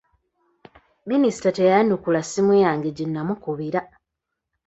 Minisita teyayanukula ssimu yange gye namukubira.